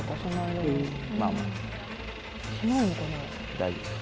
大丈夫。